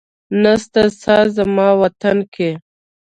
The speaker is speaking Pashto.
نسته ساه زما وطن کي